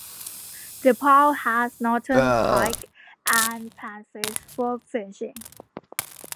The pond has northern pike and panfish for fishing.